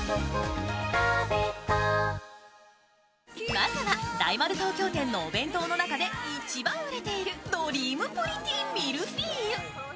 まずは、大丸東京店のお弁当の中で一番売れているドリームプリティミルフィーユ。